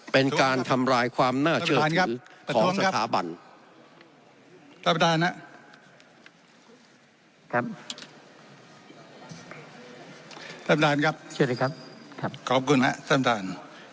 เป็นการทำลายความน่าเชื่อถือของสถาบัน